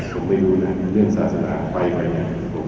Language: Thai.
ผมไม่รู้นะเรื่องศาสนาควายนะ